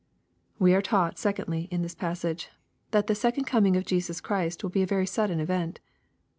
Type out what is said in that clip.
We are taught, secondly, in this .passage, that the second coining of Jesus Christ will he a very sudden event.